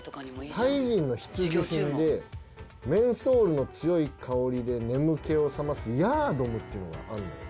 タイ人の必需品で、メンソールの強い香りで眠気を覚ますヤードムっていうのがあるねん。